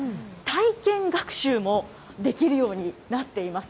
体験学習もできるようになっています。